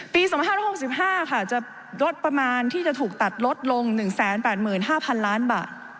ปี๒๕๖๕ค่ะจะลดประมาณที่จะถูกตัดลดลง๑๘๕๐๐ล้านบาท